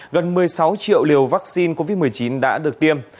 gần một mươi sáu triệu liều vaccine covid một mươi chín đã được tiêm